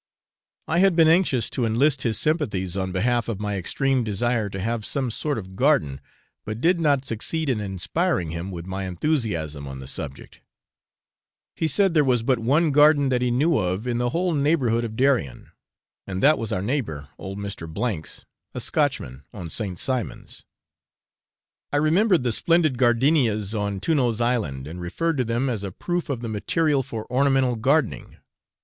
I had been anxious to enlist his sympathies on behalf of my extreme desire, to have some sort of garden, but did not succeed in inspiring him with my enthusiasm on the subject; he said there was but one garden that he knew of in the whole neighbourhood of Darien, and that was our neighbour, old Mr. C 's, a Scotchman on St. Simon's. I remembered the splendid gardinias on Tunno's Island, and referred to them as a proof of the material for ornamental gardening.